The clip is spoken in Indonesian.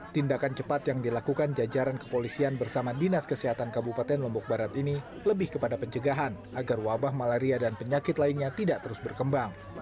tindakan cepat yang dilakukan jajaran kepolisian bersama dinas kesehatan kabupaten lombok barat ini lebih kepada pencegahan agar wabah malaria dan penyakit lainnya tidak terus berkembang